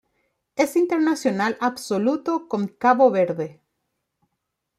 Es internacional absoluto con Cabo Verde.